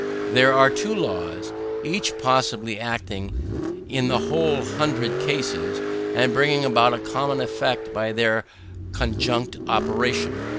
There are two laws, each possibly acting in the whole hundred cases, and bringing about a common effect by their conjunct operation.